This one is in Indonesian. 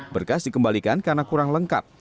berkas dikembalikan karena kurang lengkap